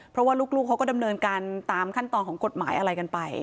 เพราะว่าลูกเขาก็ดำเนินการตามขั้นตอนของกฎหมายอะไรกันไป